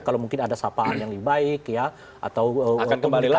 kalau mungkin ada sapaan yang lebih baik ya atau komunikasi yang lebih baik